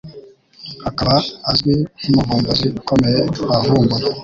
akaba azwi nk'umuvumbuzi ukomeye wavumbuye